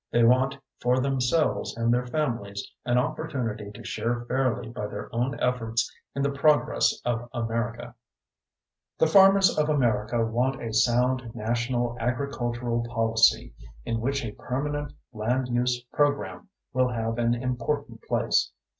They want for themselves and their families an opportunity to share fairly by their own efforts in the progress of America. The farmers of America want a sound national agricultural policy in which a permanent land use program will have an important place.